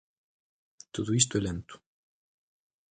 Todo isto é lento.